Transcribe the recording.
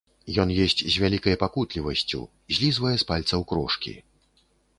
Ён есць з вялікай пакутлівасцю, злізвае з пальцаў крошкі.